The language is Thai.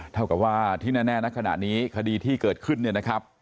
เท่ากับว่าที่แน่นะขณะนี้คดีที่เกิดขึ้นเนี่ยนะครับ